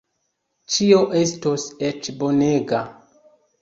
Ĉio estos eĉ bonega.